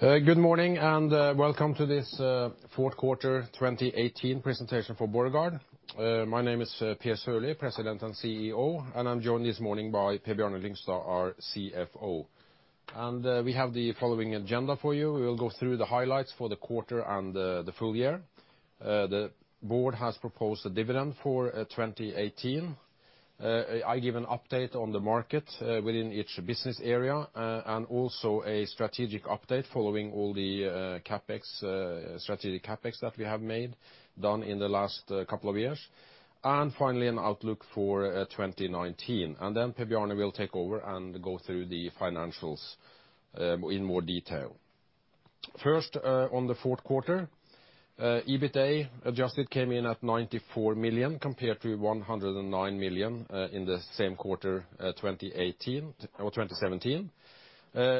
Good morning and welcome to this fourth quarter 2018 presentation for Borregaard. My name is Per Sørlie, President and CEO, and I am joined this morning by Per Bjarne Lyngstad, our CFO. We have the following agenda for you. We will go through the highlights for the quarter and the full year. The board has proposed a dividend for 2018. I give an update on the market within each business area, also a strategic update following all the strategic CapEx that we have done in the last couple of years. Finally, an outlook for 2019. Per Bjarne will take over and go through the financials in more detail. First, on the fourth quarter. EBITDA adjusted came in at 94 million, compared to 109 million in the same quarter, 2017.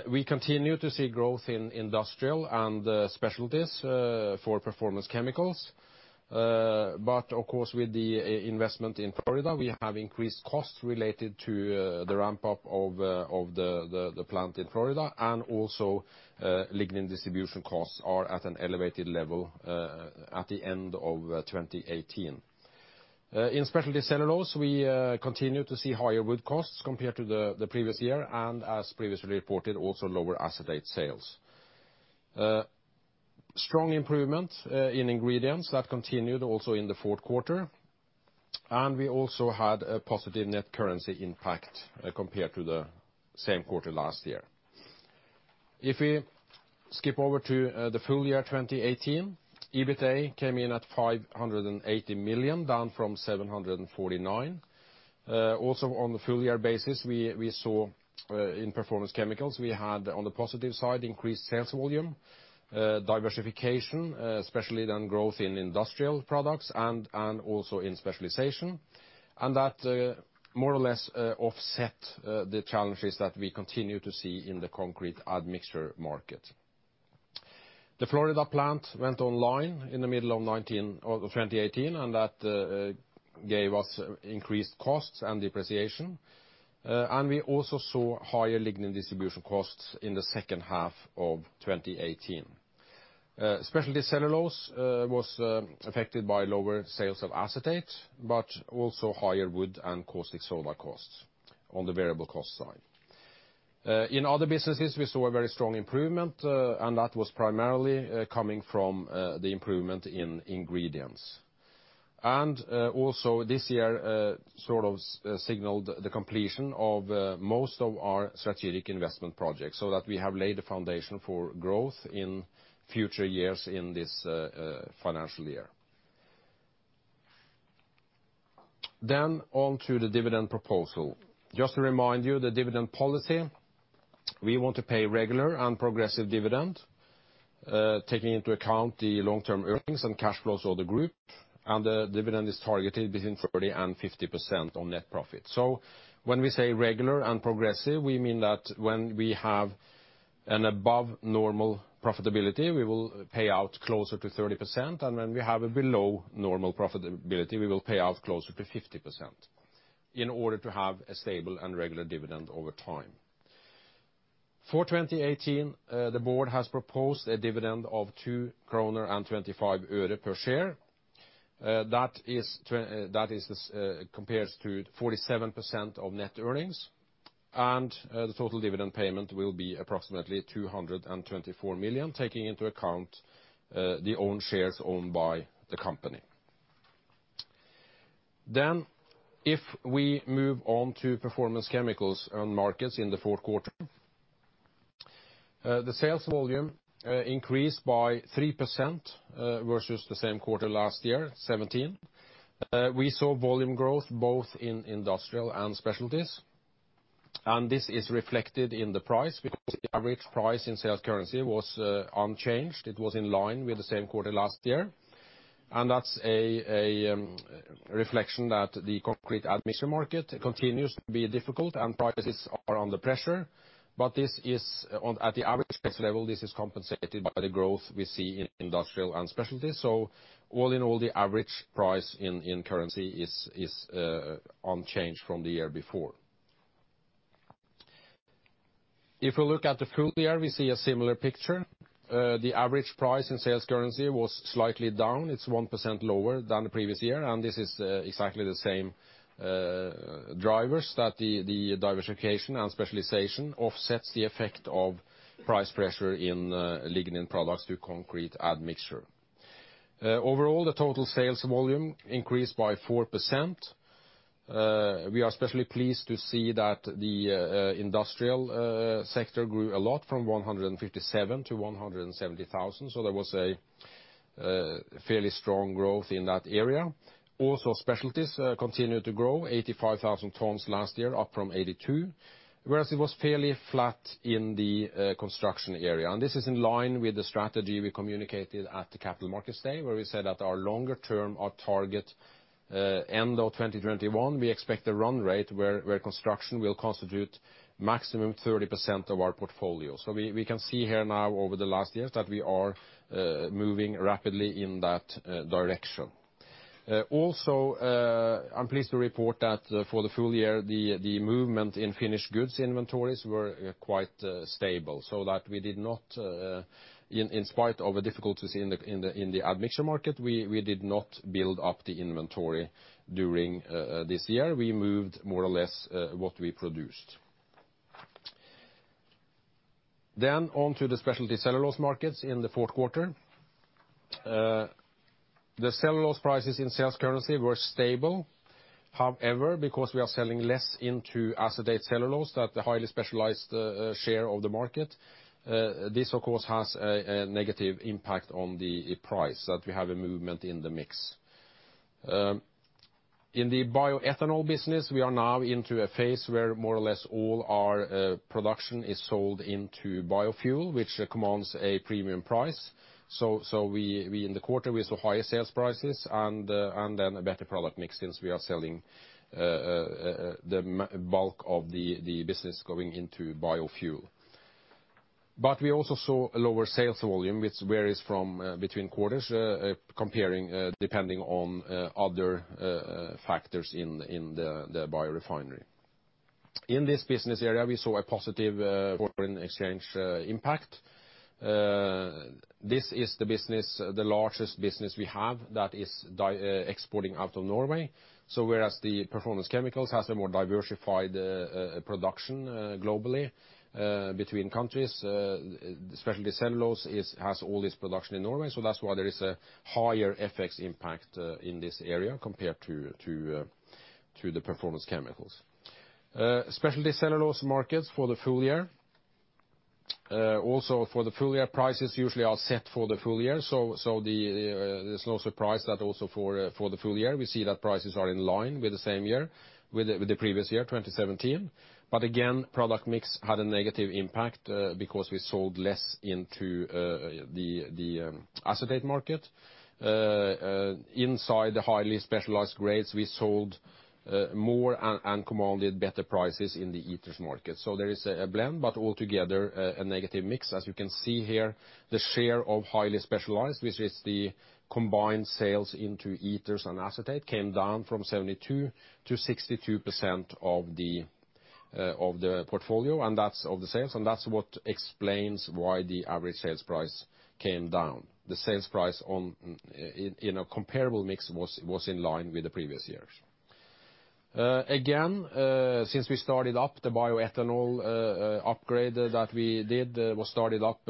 We continue to see growth in industrial and specialties for Performance Chemicals. Of course, with the investment in Florida, we have increased costs related to the ramp-up of the plant in Florida, also lignin distribution costs are at an elevated level at the end of 2018. In Specialty Cellulose, we continue to see higher wood costs compared to the previous year, and as previously reported, also lower acetate sales. Strong improvement in Ingredients. That continued also in the fourth quarter. We also had a positive net currency impact compared to the same quarter last year. If we skip over to the full year 2018, EBITDA came in at 580 million, down from 749 million. Also on the full year basis, we saw in Performance Chemicals, we had on the positive side, increased sales volume, diversification, especially then growth in industrial products and also in specialization. That more or less offset the challenges that we continue to see in the concrete admixture market. The Florida plant went online in the middle of 2018, and that gave us increased costs and depreciation. We also saw higher lignin distribution costs in the second half of 2018. Specialty Cellulose was affected by lower sales of acetate, but also higher wood and caustic soda costs on the variable cost side. In other businesses, we saw a very strong improvement, and that was primarily coming from the improvement in Ingredients. Also this year signaled the completion of most of our strategic investment projects, so that we have laid the foundation for growth in future years in this financial year. On to the dividend proposal. Just to remind you, the dividend policy, we want to pay regular and progressive dividend, taking into account the long-term earnings and cash flows of the group, the dividend is targeted between 30% and 50% on net profit. When we say regular and progressive, we mean that when we have an above normal profitability, we will pay out closer to 30%, and when we have a below-normal profitability, we will pay out closer to 50%, in order to have a stable and regular dividend over time. For 2018, the board has proposed a dividend of 2.25 kroner per share. That compares to 47% of net earnings, and the total dividend payment will be approximately 224 million, taking into account the own shares owned by the company. If we move on to Performance Chemicals and markets in the fourth quarter, the sales volume increased by 3% versus the same quarter last year, 2017. We saw volume growth both in industrial and specialties. This is reflected in the price, because the average price in sales currency was unchanged. It was in line with the same quarter last year. That's a reflection that the concrete admixture market continues to be difficult and prices are under pressure, but at the average price level, this is compensated by the growth we see in industrial and specialties. All in all, the average price in currency is unchanged from the year before. If we look at the full year, we see a similar picture. The average price in sales currency was slightly down. It's 1% lower than the previous year. This is exactly the same drivers that the diversification and specialization offsets the effect of price pressure in lignin products to concrete admixture. Overall, the total sales volume increased by 4%. We are especially pleased to see that the industrial sector grew a lot, from 157,000 to 170,000. There was a fairly strong growth in that area. Also, specialties continued to grow, 85,000 tons last year, up from 82,000 tons. Whereas it was fairly flat in the construction area. This is in line with the strategy we communicated at the Capital Markets Day, where we said that our longer term, our target end of 2021, we expect a run rate where construction will constitute maximum 30% of our portfolio. We can see here now over the last years that we are moving rapidly in that direction. Also, I'm pleased to report that for the full year, the movement in finished goods inventories were quite stable, so that we did not, in spite of a difficulty in the admixture market, we did not build up the inventory during this year. We moved more or less what we produced. On to the Specialty Cellulose markets in the fourth quarter. The cellulose prices in sales currency were stable. However, because we are selling less into acetate cellulose, that highly specialized share of the market, this, of course, has a negative impact on the price, that we have a movement in the mix. In the bioethanol business, we are now into a phase where more or less all our production is sold into biofuel, which commands a premium price. We, in the quarter, we saw higher sales prices, a better product mix, since we are selling the bulk of the business going into biofuel. We also saw a lower sales volume, which varies between quarters, depending on other factors in the biorefinery. In this business area, we saw a positive foreign exchange impact. This is the largest business we have that is exporting out of Norway. Whereas the Performance Chemicals has a more diversified production globally between countries, Specialty Cellulose has all its production in Norway, that's why there is a higher FX impact in this area compared to the Performance Chemicals. Specialty Cellulose markets for the full year. For the full year, prices usually are set for the full year, there's no surprise that for the full year, we see that prices are in line with the previous year, 2017. Again, product mix had a negative impact, because we sold less into the acetate market. Inside the highly specialized grades, we sold more and commanded better prices in the ethers market. There is a blend, but altogether a negative mix. As you can see here, the share of highly specialized, which is the combined sales into ethers and acetate, came down from 72% to 62% of the sales, and that's what explains why the average sales price came down. The sales price in a comparable mix was in line with the previous years. Since we started up the bioethanol upgrade that we did, was started up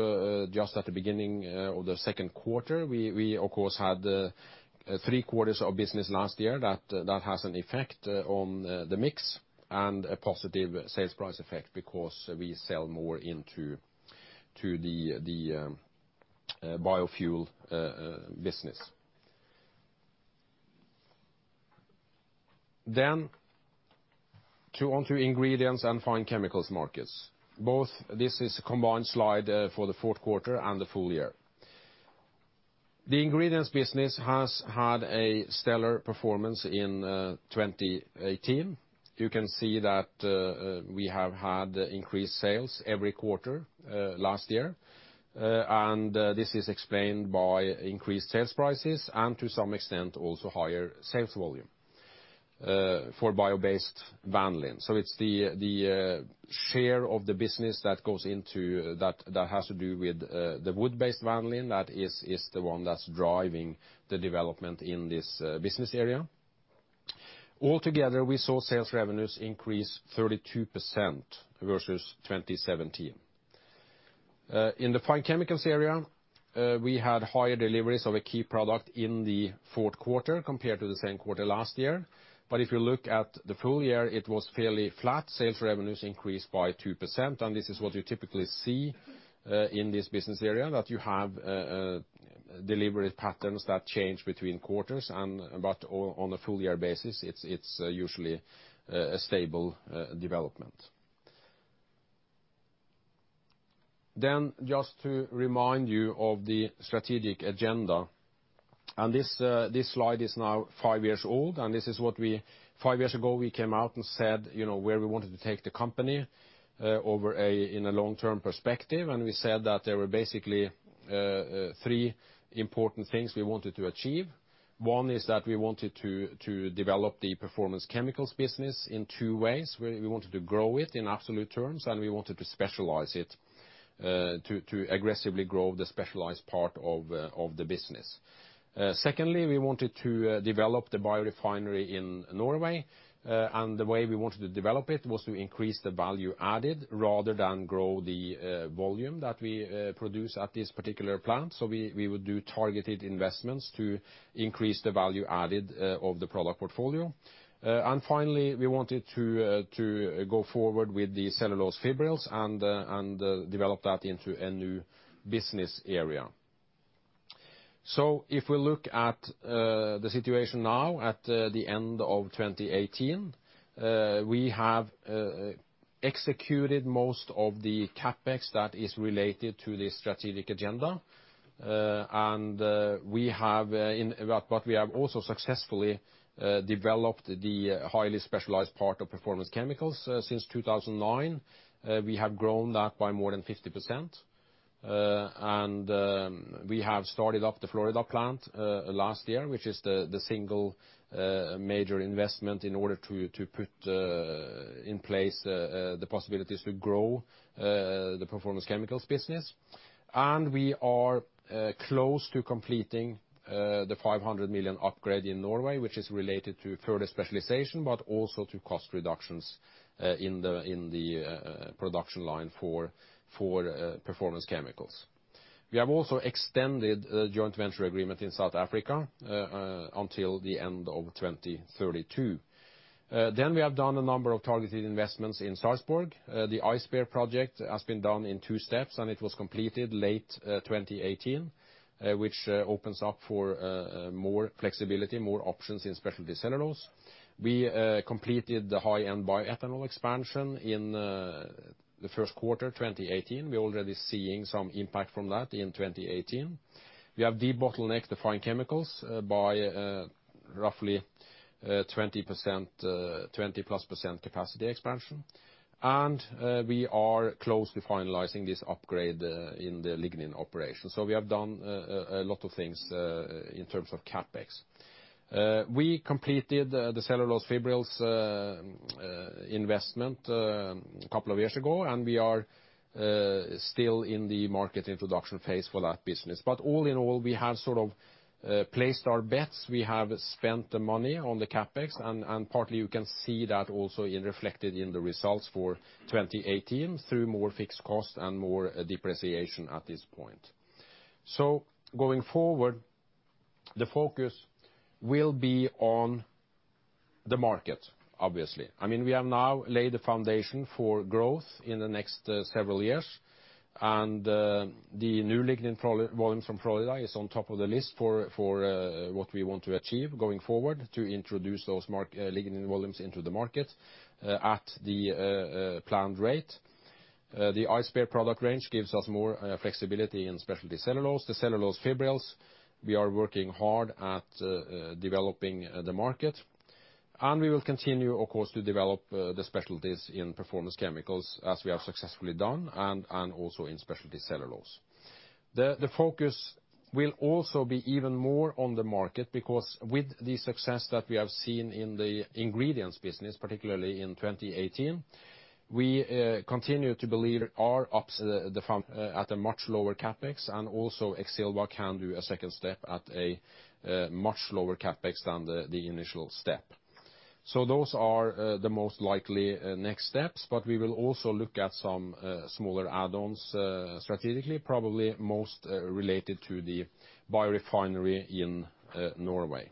just at the beginning of the second quarter. We, of course, had three quarters of business last year. That has an effect on the mix, and a positive sales price effect, because we sell more into the biofuel business. On to Ingredients and Fine Chemicals markets. Both, this is a combined slide for the fourth quarter and the full year. The Ingredients business has had a stellar performance in 2018. You can see that we have had increased sales every quarter last year, and this is explained by increased sales prices and, to some extent, also higher sales volume for bio-based vanillin. It's the share of the business that has to do with the wood-based vanillin, that is the one that's driving the development in this business area. Altogether, we saw sales revenues increase 32% versus 2017. In the Fine Chemicals area, we had higher deliveries of a key product in the fourth quarter compared to the same quarter last year. If you look at the full year, it was fairly flat. Sales revenues increased by 2%, and this is what you typically see in this business area, that you have delivery patterns that change between quarters, but on a full year basis, it's usually a stable development. Just to remind you of the strategic agenda, this slide is now five years old, and this is what five years ago we came out and said where we wanted to take the company in a long-term perspective, and we said that there were basically three important things we wanted to achieve. One is that we wanted to develop the Performance Chemicals business in two ways, where we wanted to grow it in absolute terms, and we wanted to specialize it to aggressively grow the specialized part of the business. Secondly, we wanted to develop the biorefinery in Norway, and the way we wanted to develop it was to increase the value added, rather than grow the volume that we produce at this particular plant. We would do targeted investments to increase the value added of the product portfolio. Finally, we wanted to go forward with the cellulose fibrils and develop that into a new business area. If we look at the situation now at the end of 2018, we have executed most of the CapEx that is related to the strategic agenda. We have also successfully developed the highly specialized part of Performance Chemicals since 2009. We have grown that by more than 50%. We have started up the Florida plant last year, which is the single major investment in order to put in place the possibilities to grow the Performance Chemicals business. We are close to completing the 500 million upgrade in Norway, which is related to further specialization, but also to cost reductions in the production line for Performance Chemicals. We have also extended a joint venture agreement in South Africa until the end of 2032. We have done a number of targeted investments in Sarpsborg. The Ice Bear project has been done in two steps, and it was completed late 2018, which opens up for more flexibility, more options in Specialty Cellulose. We completed the high-end bioethanol expansion in the first quarter 2018. We're already seeing some impact from that in 2018. We have debottlenecked the Fine Chemicals by roughly 20%+ capacity expansion. We are close to finalizing this upgrade in the lignin operation. We have done a lot of things in terms of CapEx. We completed the cellulose fibrils investment a couple of years ago, and we are still in the market introduction phase for that business. All in all, we have sort of placed our bets. We have spent the money on the CapEx, and partly you can see that also reflected in the results for 2018 through more fixed costs and more depreciation at this point. Going forward, the focus will be on the market, obviously. I mean, we have now laid the foundation for growth in the next several years, and the new lignin volume from Florida is on top of the list for what we want to achieve going forward to introduce those lignin volumes into the market at the planned rate. The Ice Bear product range gives us more flexibility in Specialty Cellulose. The cellulose fibrils, we are working hard at developing the market. We will continue, of course, to develop the specialties in Performance Chemicals as we have successfully done, and also in Specialty Cellulose. The focus will also be even more on the market, because with the success that we have seen in the Ingredients business, particularly in 2018, we continue to believe our ops at a much lower CapEx and also Exilva can do a second step at a much lower CapEx than the initial step. Those are the most likely next steps, but we will also look at some smaller add-ons strategically, probably most related to the biorefinery in Norway.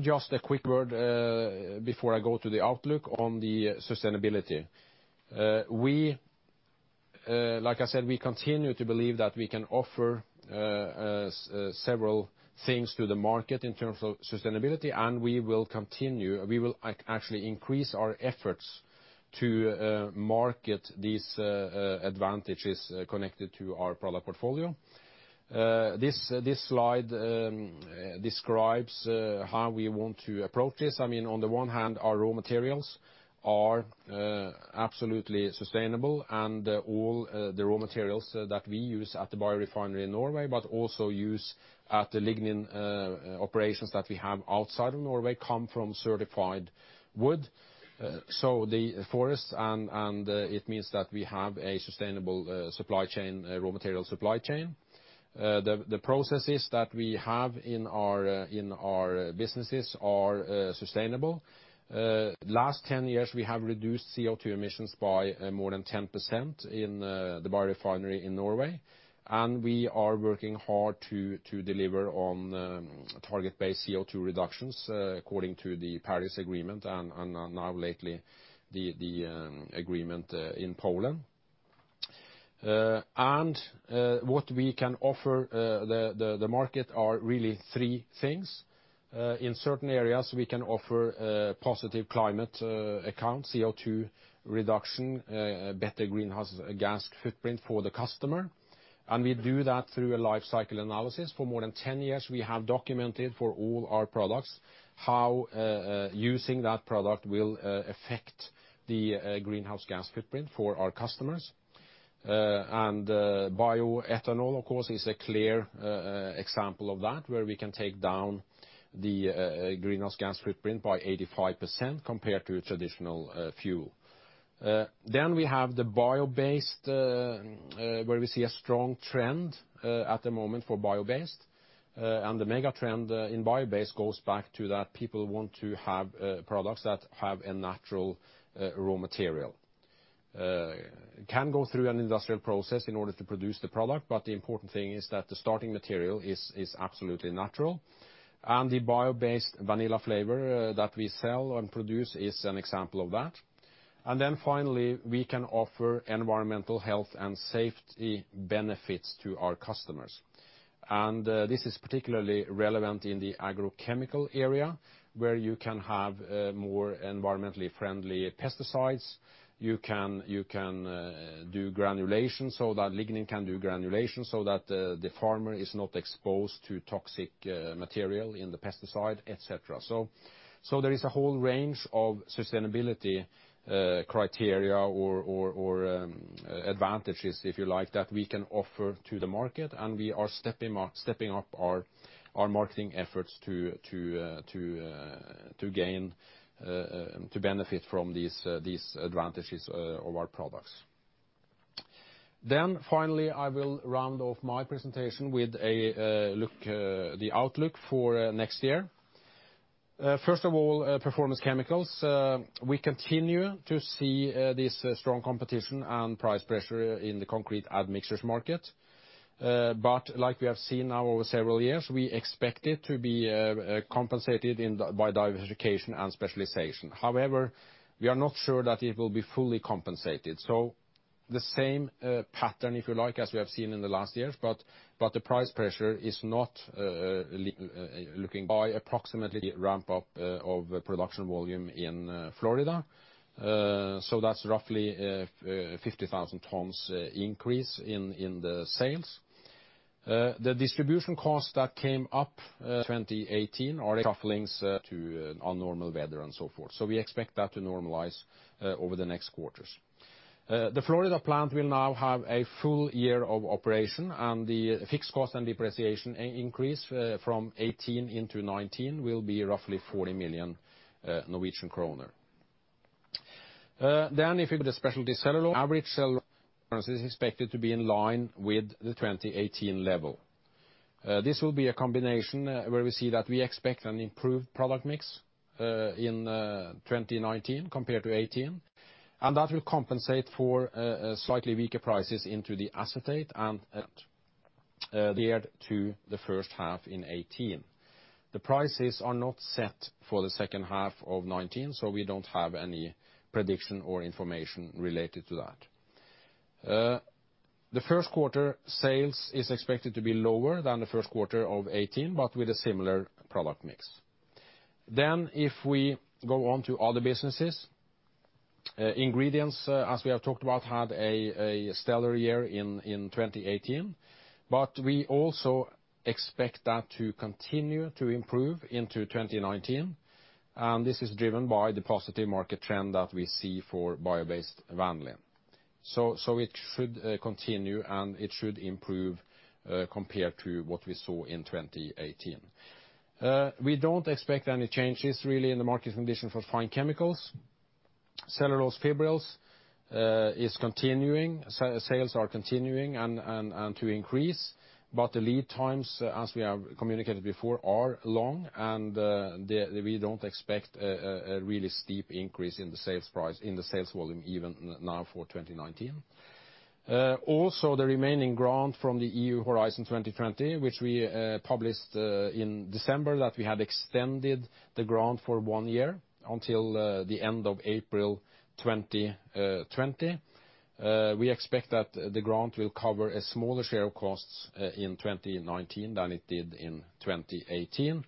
Just a quick word before I go to the outlook on the sustainability. Like I said, we continue to believe that we can offer several things to the market in terms of sustainability, and we will continue. We will actually increase our efforts to market these advantages connected to our product portfolio. This slide describes how we want to approach this. I mean, on the one hand, our raw materials are absolutely sustainable, and all the raw materials that we use at the biorefinery in Norway, but also use at the lignin operations that we have outside of Norway, come from certified wood. The forests, and it means that we have a sustainable supply chain, raw material supply chain. The processes that we have in our businesses are sustainable. Last 10 years, we have reduced CO2 emissions by more than 10% in the biorefinery in Norway. We are working hard to deliver on target-based CO2 reductions according to the Paris Agreement and now lately, the agreement in Poland. What we can offer the market are really three things. In certain areas, we can offer a positive climate account, CO2 reduction, better greenhouse gas footprint for the customer. We do that through a life cycle analysis. For more than 10 years, we have documented for all our products how using that product will affect the greenhouse gas footprint for our customers. Bioethanol, of course, is a clear example of that, where we can take down the greenhouse gas footprint by 85% compared to traditional fuel. We have the bio-based, where we see a strong trend at the moment for bio-based. The mega trend in bio-based goes back to that people want to have products that have a natural raw material can go through an industrial process in order to produce the product, but the important thing is that the starting material is absolutely natural. The bio-based vanillin that we sell and produce is an example of that. Finally, we can offer environmental health and safety benefits to our customers. This is particularly relevant in the agrochemical area, where you can have more environmentally friendly pesticides. You can do granulation, so that lignin can do granulation, so that the farmer is not exposed to toxic material in the pesticide, et cetera. There is a whole range of sustainability criteria or advantages, if you like, that we can offer to the market, and we are stepping up our marketing efforts to gain, to benefit from these advantages of our products. Finally, I will round off my presentation with the outlook for next year. First of all, Performance Chemicals. We continue to see this strong competition and price pressure in the concrete admixtures market. Like we have seen now over several years, we expect it to be compensated by diversification and specialization. However, we are not sure that it will be fully compensated. The same pattern, if you like, as we have seen in the last years, but the price pressure is. By approximately ramp up of production volume in Florida. That's roughly 50,000 tons increase in the sales. The distribution costs that came up 2018 are attributable to abnormal weather and so forth. We expect that to normalize over the next quarters. The Florida plant will now have a full year of operation, and the fixed cost and depreciation increase from 2018 into 2019 will be roughly 40 million Norwegian kroner. The Specialty Cellulose. Average cellulose is expected to be in line with the 2018 level. This will be a combination where we see that we expect an improved product mix in 2019 compared to 2018, and that will compensate for a slightly weaker prices into the acetate. Compared to the first half in 2018. The prices are not set for the second half of 2019, we don't have any prediction or information related to that. The first quarter sales is expected to be lower than the first quarter of 2018, but with a similar product mix. If we go on to other businesses. Ingredients, as we have talked about, had a stellar year in 2018, but we also expect that to continue to improve into 2019, and this is driven by the positive market trend that we see for bio-based vanillin. It should continue, and it should improve, compared to what we saw in 2018. We don't expect any changes, really, in the market condition for Fine Chemicals. Cellulose fibrils is continuing, sales are continuing and to increase, but the lead times, as we have communicated before, are long, and we don't expect a really steep increase in the sales volume even now for 2019. The remaining grant from the EU Horizon 2020, which we published in December, that we had extended the grant for one year until the end of April 2020. We expect that the grant will cover a smaller share of costs in 2019 than it did in 2018.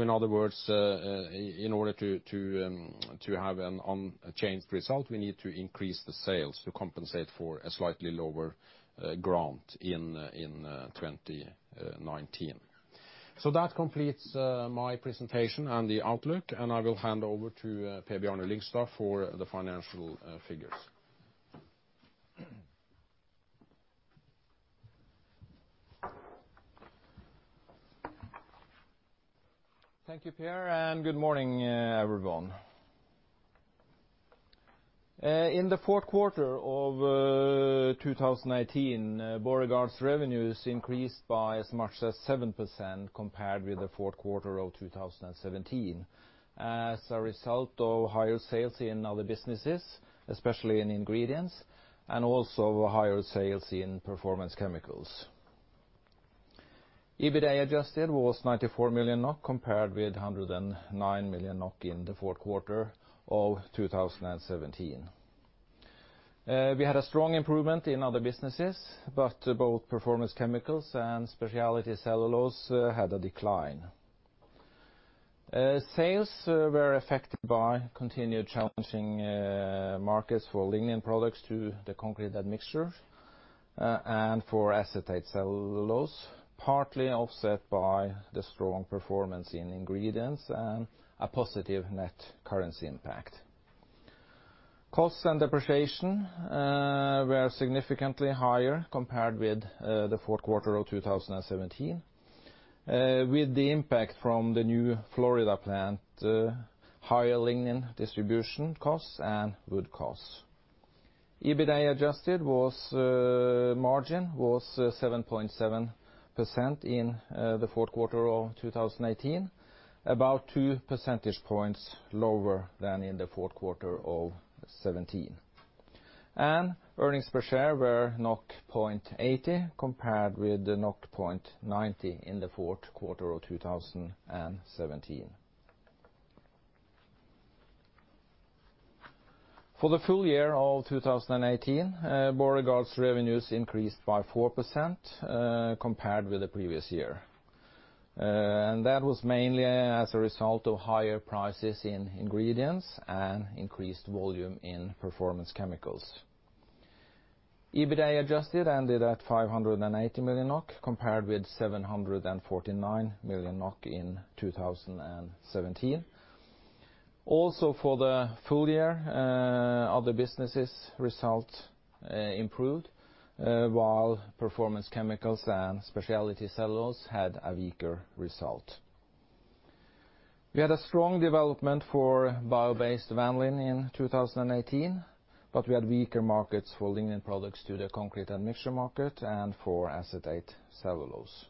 In other words, in order to have an unchanged result, we need to increase the sales to compensate for a slightly lower grant in 2019. That completes my presentation on the outlook, and I will hand over to Per Bjarne Lyngstad for the financial figures. Thank you, Per, and good morning, everyone. In the fourth quarter of 2018, Borregaard's revenues increased by as much as 7% compared with the fourth quarter of 2017 as a result of higher sales in other businesses, especially in Ingredients, and also higher sales in Performance Chemicals. EBITDA adjusted was 94 million NOK, compared with 109 million NOK in the fourth quarter of 2017. We had a strong improvement in other businesses, but both Performance Chemicals and Specialty Cellulose had a decline. Sales were affected by continued challenging markets for lignin products to the concrete admixture, and for acetate cellulose, partly offset by the strong performance in Ingredients and a positive net currency impact. Costs and depreciation were significantly higher compared with the fourth quarter of 2017, with the impact from the new Florida plant, higher lignin distribution costs, and wood costs. EBITDA adjusted margin was 7.7% in the fourth quarter of 2018, about two percentage points lower than in the fourth quarter of 2017. Earnings per share were 0.80 compared with the 0.90 in the fourth quarter of 2017. For the full year of 2018, Borregaard's revenues increased by 4% compared with the previous year. That was mainly as a result of higher prices in Ingredients and increased volume in Performance Chemicals. EBITDA adjusted ended at 580 million NOK, compared with 749 million NOK in 2017. For the full year, other businesses result improved, while Performance Chemicals and Specialty Cellulose had a weaker result. We had a strong development for bio-based vanillin in 2018, but we had weaker markets for lignin products to the concrete admixture market and for acetate cellulose.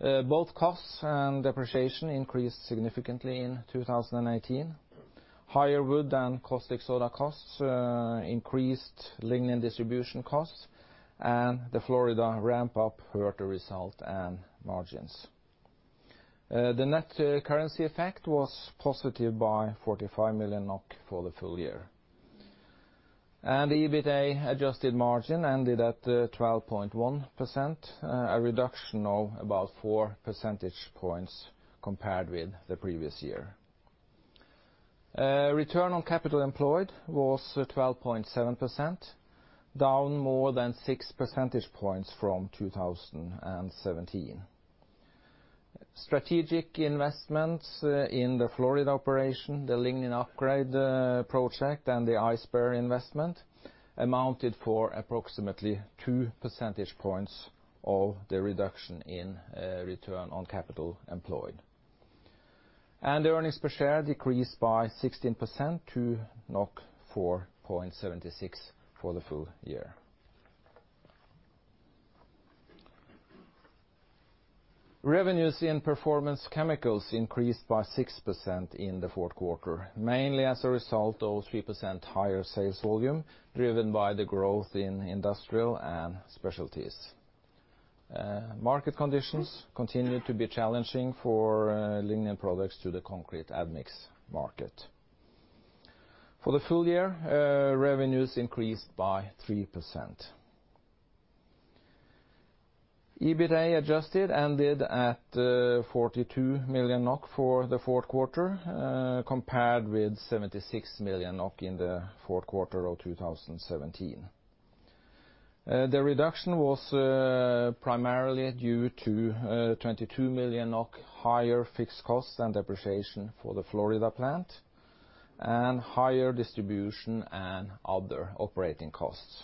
Both costs and depreciation increased significantly in 2018. Higher wood and caustic soda costs increased lignin distribution costs. The Florida ramp up hurt the result and margins. The net currency effect was positive by 45 million NOK for the full year. The EBITDA adjusted margin ended at 12.1%, a reduction of about four percentage points compared with the previous year. Return on capital employed was 12.7%, down more than six percentage points from 2017. Strategic investments in the Florida operation, the lignin upgrade project, and the Ice Bear investment amounted for approximately two percentage points of the reduction in return on capital employed. The earnings per share decreased by 16% to 4.76 for the full year. Revenues in Performance Chemicals increased by 6% in the fourth quarter, mainly as a result of 3% higher sales volume, driven by the growth in industrial and specialties. Market conditions continued to be challenging for lignin products to the concrete admix market. For the full year, revenues increased by 3%. EBITDA adjusted ended at 42 million NOK for the fourth quarter, compared with 76 million NOK in the fourth quarter of 2017. The reduction was primarily due to 22 million NOK higher fixed costs and depreciation for the Florida plant, and higher distribution and other operating costs.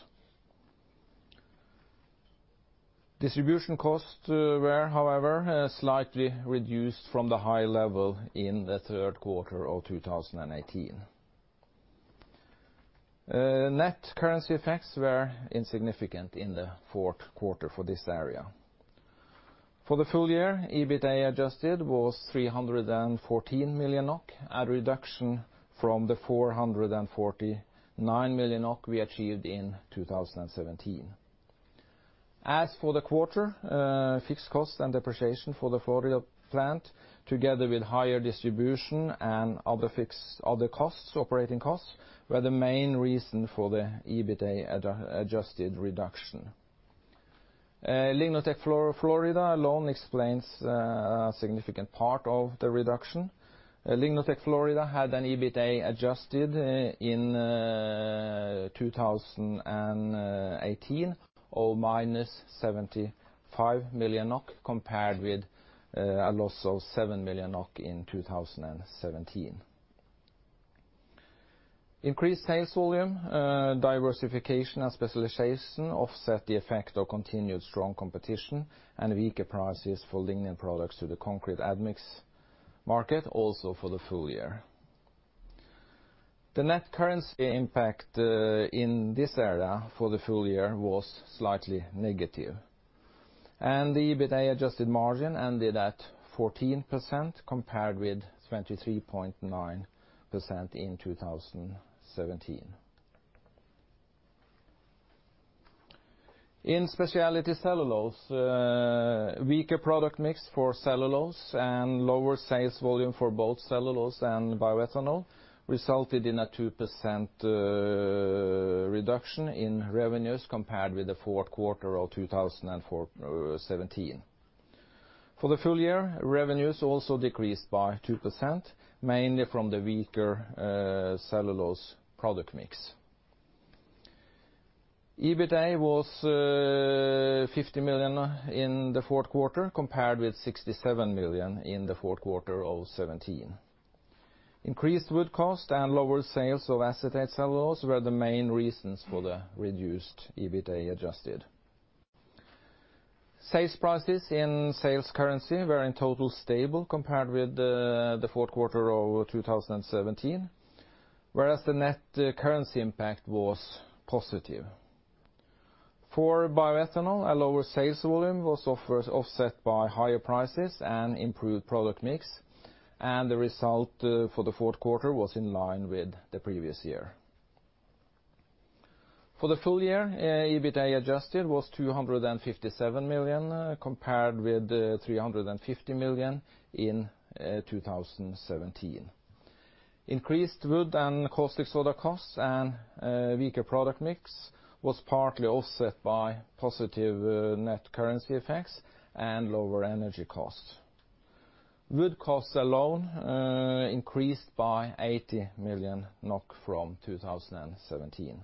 Distribution costs were, however, slightly reduced from the high level in the third quarter of 2018. Net currency effects were insignificant in the fourth quarter for this area. For the full year, EBITDA adjusted was 314 million NOK, a reduction from the 449 million NOK we achieved in 2017. As for the quarter, fixed costs and depreciation for the Florida plant, together with higher distribution and other costs, operating costs, were the main reason for the EBITDA adjusted reduction. LignoTech Florida alone explains a significant part of the reduction. LignoTech Florida had an EBITDA adjusted in 2018 of -75 million NOK, compared with a loss of 7 million NOK in 2017. Increased sales volume diversification and specialization offset the effect of continued strong competition and weaker prices for lignin products to the concrete admix market also for the full year. The net currency impact in this area for the full year was slightly negative. The EBITDA -adjusted margin ended at 14%, compared with 23.9% in 2017. In Specialty Cellulose, weaker product mix for cellulose and lower sales volume for both cellulose and bioethanol resulted in a 2% reduction in revenues compared with the fourth quarter of 2017. For the full year, revenues also decreased by 2%, mainly from the weaker cellulose product mix. EBITDA was 50 million in the fourth quarter, compared with 67 million in the fourth quarter of 2017. Increased wood cost and lower sales of acetate cellulose were the main reasons for the reduced EBITDA adjusted. Sales prices in sales currency were in total stable compared with the fourth quarter of 2017, whereas the net currency impact was positive. For bioethanol, a lower sales volume was offset by higher prices and improved product mix. The result for the fourth quarter was in line with the previous year. For the full year, EBITDA adjusted was 257 million, compared with 350 million in 2017. Increased wood and caustic soda costs and weaker product mix was partly offset by positive net currency effects and lower energy costs. Wood costs alone increased by 80 million NOK from 2017.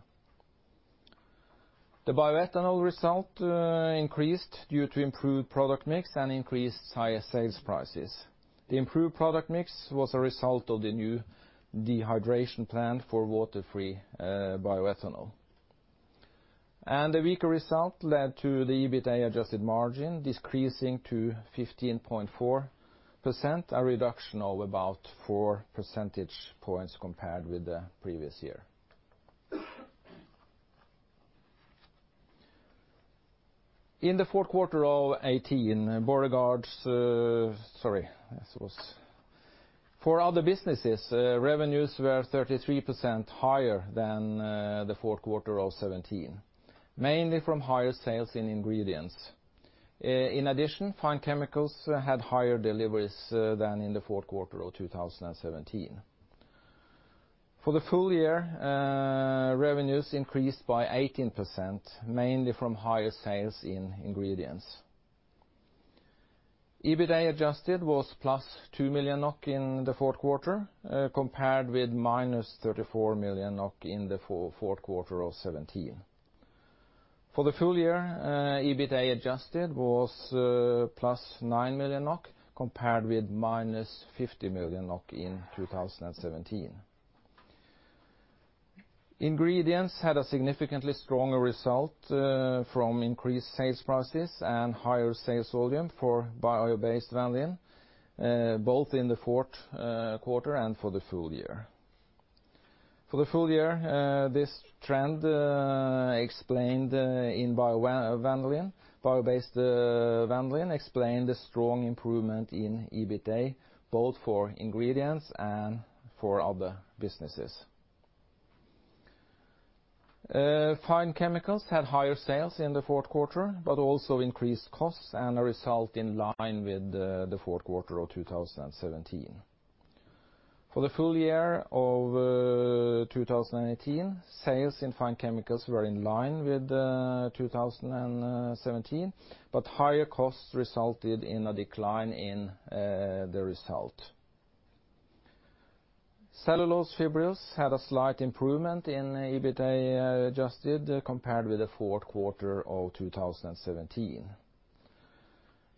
The bioethanol result increased due to improved product mix and increased higher sales prices. The improved product mix was a result of the new dehydration plant for water-free bioethanol. The weaker result led to the EBITDA adjusted margin decreasing to 15.4%, a reduction of about four percentage points compared with the previous year. In the fourth quarter of 2018, Borregaard. For other businesses, revenues were 33% higher than the fourth quarter of 2017, mainly from higher sales in Ingredients. In addition, Fine Chemicals had higher deliveries than in the fourth quarter of 2017. For the full year, revenues increased by 18%, mainly from higher sales in Ingredients. EBITDA adjusted was +2 million NOK in the fourth quarter, compared with -34 million NOK in the fourth quarter of 2017. For the full year, EBITDA adjusted was +9 million NOK, compared with -50 million NOK in 2017. Ingredients had a significantly stronger result from increased sales prices and higher sales volume for bio-based vanillin, both in the fourth quarter and for the full year. For the full year, this trend explained in bio-based vanillin, explained the strong improvement in EBITDA, both for Ingredients and for other businesses. Fine Chemicals had higher sales in the fourth quarter, but also increased costs and a result in line with the fourth quarter of 2017. For the full year of 2018, sales in Fine Chemicals were in line with 2017, but higher costs resulted in a decline in the result. Cellulose fibrils had a slight improvement in EBITDA adjusted compared with the fourth quarter of 2017.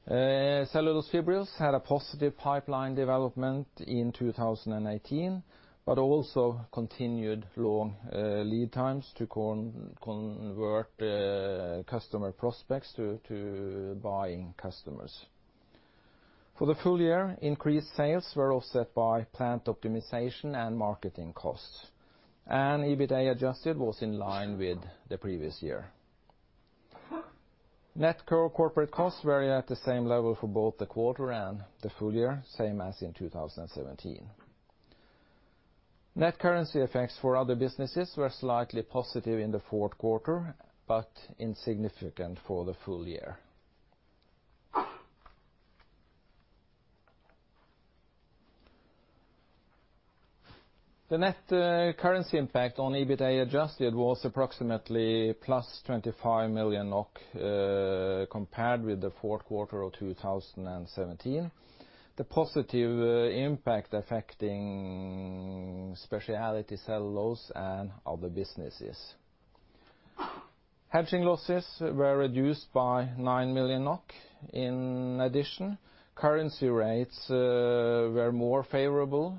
Cellulose fibrils had a positive pipeline development in 2018, but also continued long lead times to convert customer prospects to buying customers. For the full year, increased sales were offset by plant optimization and marketing costs, and EBITDA adjusted was in line with the previous year. Net core corporate costs were at the same level for both the quarter and the full year, same as in 2017. Net currency effects for other businesses were slightly positive in the fourth quarter, but insignificant for the full year. The net currency impact on EBITDA adjusted was approximately +25 million NOK, compared with the fourth quarter of 2017. The positive impact affecting Specialty Cellulose and other businesses. Hedging losses were reduced by 9 million NOK. In addition, currency rates were more favorable,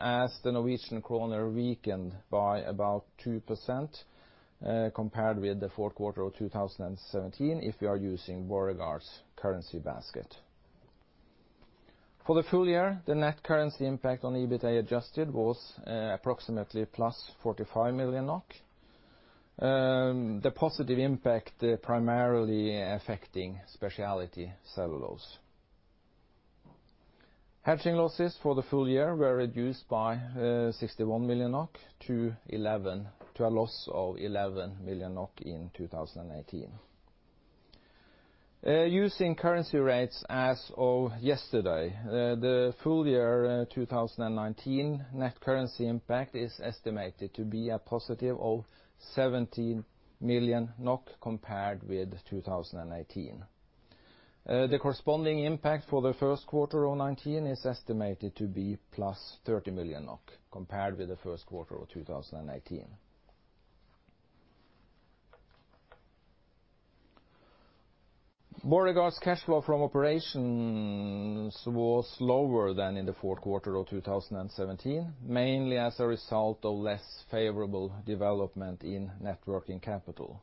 as the Norwegian kroner weakened by about 2%, compared with the fourth quarter of 2017, if you are using Borregaard's currency basket. For the full year, the net currency impact on the EBITDA adjusted was approximately +45 million NOK. The positive impact primarily affecting Specialty Cellulose. Hedging losses for the full year were reduced by 61 million NOK to a loss of 11 million NOK in 2018. Using currency rates as of yesterday, the full year 2019 net currency impact is estimated to be a positive of 17 million NOK, compared with 2018. The corresponding impact for the first quarter of 2019 is estimated to be +30 million NOK, compared with the first quarter of 2018. Borregaard's cash flow from operations was lower than in the fourth quarter of 2017, mainly as a result of less favorable development in net working capital.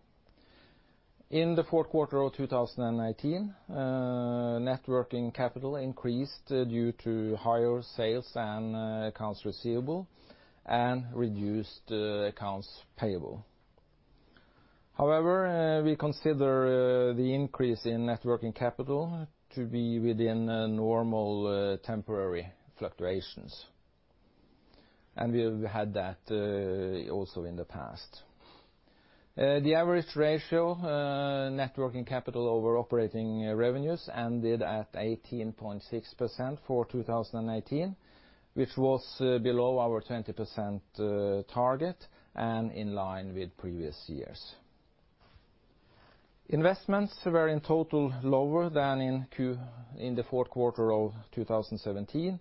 In the fourth quarter of 2019, net working capital increased due to higher sales and accounts receivable and reduced accounts payable. However, we consider the increase in net working capital to be within normal temporary fluctuations. We have had that also in the past. The average ratio net working capital over operating revenues ended at 18.6% for 2018, which was below our 20% target, and in line with previous years. Investments were, in total, lower than in the fourth quarter of 2017,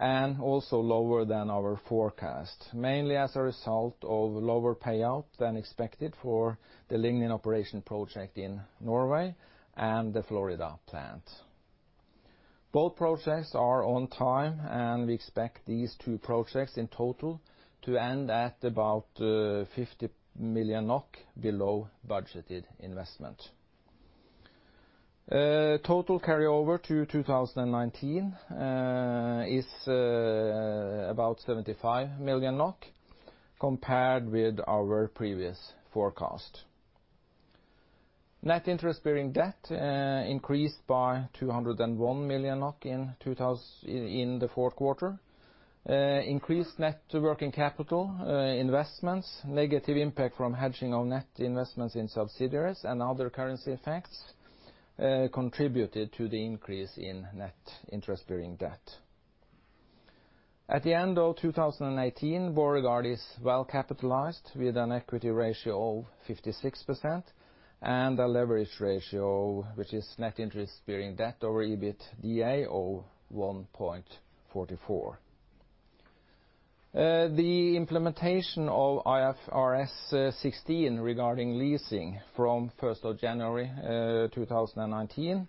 and also lower than our forecast, mainly as a result of lower payout than expected for the lignin operation project in Norway and the Florida plant. Both projects are on time. We expect these two projects, in total, to end at about 50 million NOK below budgeted investment. Total carryover to 2019 is about 75 million NOK, compared with our previous forecast. Net interest-bearing debt increased by 201 million NOK in the fourth quarter. Increased net working capital investments, negative impact from hedging of net investments in subsidiaries, and other currency effects contributed to the increase in net interest-bearing debt. At the end of 2018, Borregaard is well capitalized with an equity ratio of 56% and a leverage ratio, which is net interest-bearing debt over EBITDA of 1.44. The implementation of IFRS 16 regarding leasing from 1st of January 2019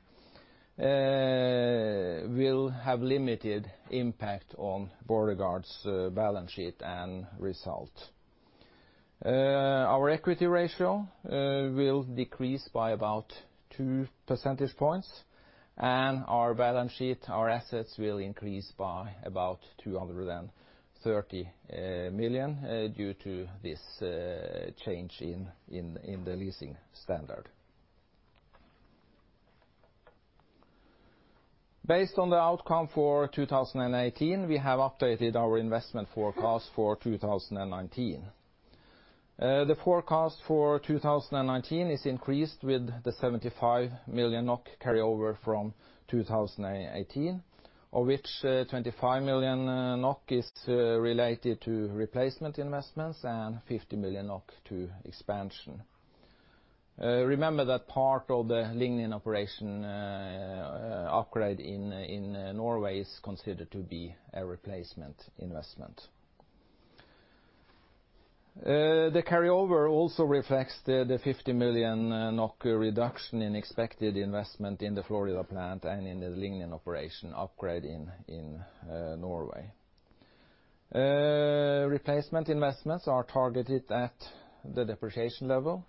will have limited impact on Borregaard's balance sheet and result. Our equity ratio will decrease by about two percentage points and our balance sheet, our assets, will increase by about 230 million, due to this change in the leasing standard. Based on the outcome for 2018, we have updated our investment forecast for 2019. The forecast for 2019 is increased with the 75 million NOK carryover from 2018, of which 25 million NOK is related to replacement investments and 50 million NOK to expansion. Remember that part of the lignin operation upgrade in Norway is considered to be a replacement investment. The carryover also reflects the 50 million NOK reduction in expected investment in the Florida plant and in the lignin operation upgrade in Norway. Replacement investments are targeted at the depreciation level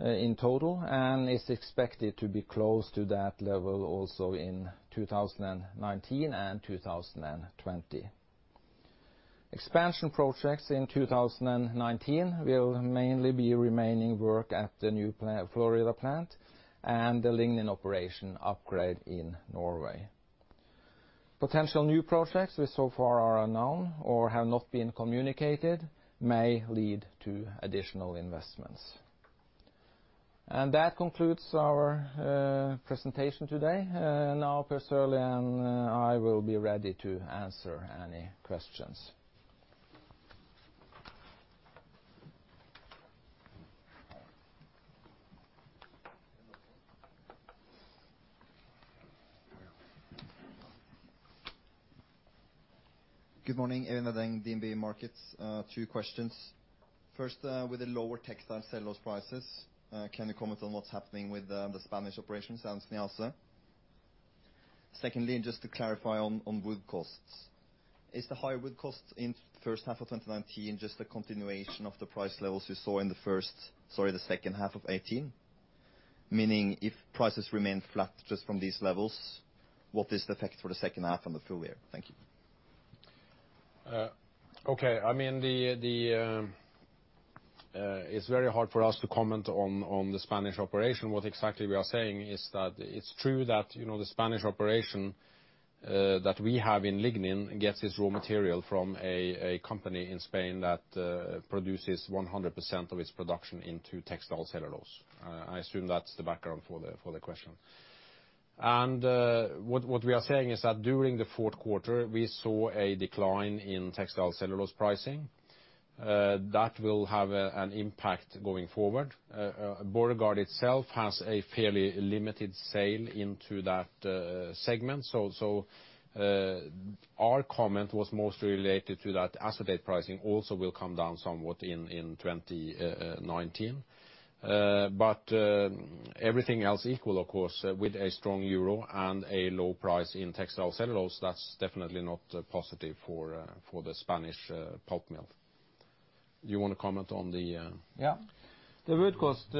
in total, and is expected to be close to that level also in 2019 and 2020. Expansion projects in 2019 will mainly be remaining work at the new Florida plant and the lignin operation upgrade in Norway. Potential new projects which so far are unknown or have not been communicated may lead to additional investments. That concludes our presentation today. Now Per Sørlie and I will be ready to answer any questions. Good morning, Eivind Veddeng, DNB Markets. Two questions. First, with the lower textile cellulose prices, can you comment on what's happening with the Spanish operations and Snåsavatnet? Secondly, just to clarify on wood costs. Is the higher wood cost in the first half of 2019 just a continuation of the price levels we saw in the second half of 2018? Meaning if prices remain flat just from these levels, what is the effect for the second half and the full year? Thank you. Okay. It's very hard for us to comment on the Spanish operation. What exactly we are saying is that it's true that the Spanish operation that we have in lignin gets its raw material from a company in Spain that produces 100% of its production into textile cellulose. I assume that's the background for the question. What we are saying is that during the fourth quarter, we saw a decline in textile cellulose pricing. That will have an impact going forward. Borregaard itself has a fairly limited sale into that segment, so our comment was mostly related to that acetate pricing also will come down somewhat in 2019. Everything else equal, of course, with a strong euro and a low price in textile cellulose, that's definitely not positive for the Spanish pulp mill. Do you want to comment on the- Yeah. The wood cost,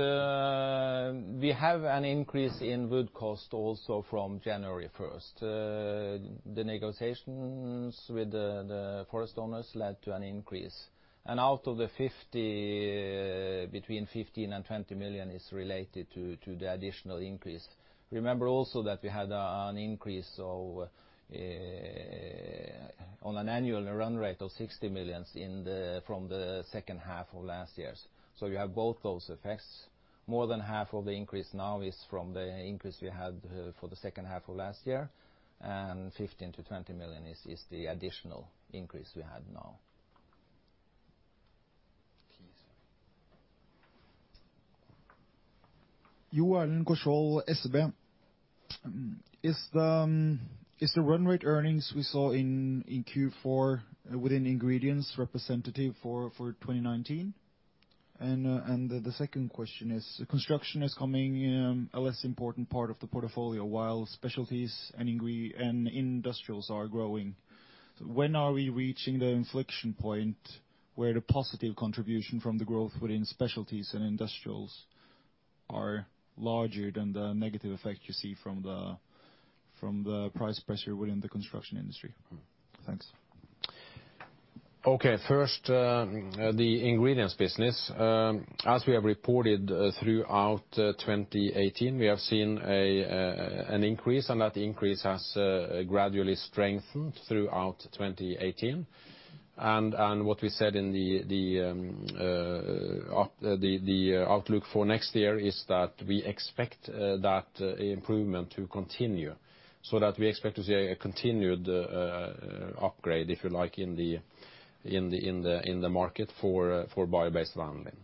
we have an increase in wood cost also from January 1st. The negotiations with the forest owners led to an increase. Out of the 50 million, between 15 million and 20 million is related to the additional increase. Remember also that we had an increase on an annual run rate of 60 million from the second half of last year. You have both those effects. More than half of the increase now is from the increase we had for the second half of last year, and 15 million to 20 million is the additional increase we had now. Jo Erlend Korsvold, SEB. Is the run rate earnings we saw in Q4 within Ingredients representative for 2019? The second question is, Construction is becoming a less important part of the portfolio, while Specialties and Industrials are growing. When are we reaching the inflection point where the positive contribution from the growth within Specialties and Industrials are larger than the negative effect you see from the price pressure within the Construction industry? Thanks. Okay, first, the Ingredients business. As we have reported throughout 2018, we have seen an increase, that increase has gradually strengthened throughout 2018. What we said in the outlook for next year is that we expect that improvement to continue, we expect to see a continued upgrade, if you like, in the market for bio-based vanillin.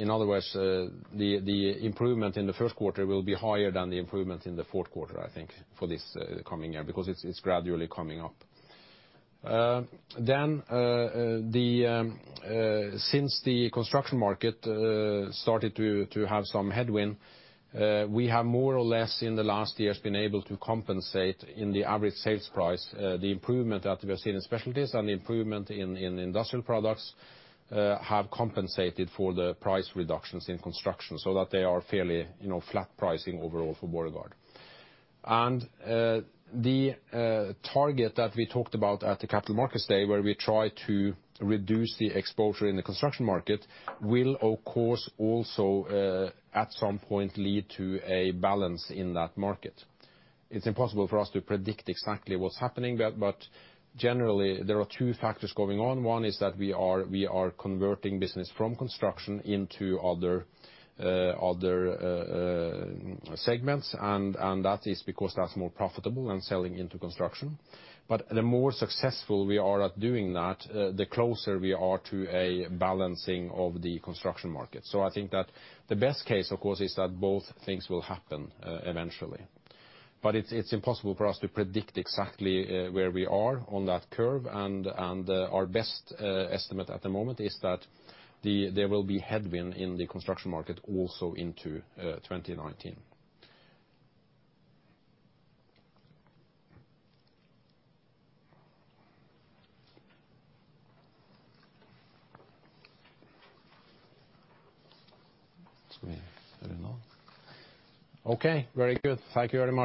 In other words, the improvement in the first quarter will be higher than the improvement in the fourth quarter, I think, for this coming year, because it's gradually coming up. Since the construction market started to have some headwind, we have more or less in the last years been able to compensate in the average sales price. The improvement that we are seeing in specialties and the improvement in industrial products have compensated for the price reductions in construction, so that they are fairly flat pricing overall for Borregaard. The target that we talked about at the Capital Markets Day, where we try to reduce the exposure in the construction market, will, of course, also at some point lead to a balance in that market. It's impossible for us to predict exactly what's happening there, but generally there are two factors going on. One is that we are converting business from construction into other segments, and that is because that's more profitable than selling into construction. The more successful we are at doing that, the closer we are to a balancing of the construction market. I think that the best case, of course, is that both things will happen eventually. It's impossible for us to predict exactly where we are on that curve, and our best estimate at the moment is that there will be headwind in the construction market also into 2019. We are done. Okay. Very good. Thank you very much